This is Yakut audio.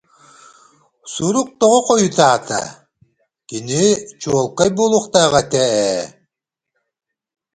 Сурук тоҕо хойутаата, кини чуолкай буолуохтаах этэ ээ